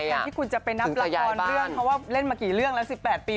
การที่คุณจะไปนับละครเรื่องเพราะว่าเล่นมากี่เรื่องแล้ว๑๘ปี